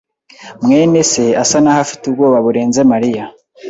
mwene se asa naho afite ubwoba burenze Mariya.